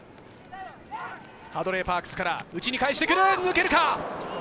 ハドレー・パークスから内に返してくる、抜けるか。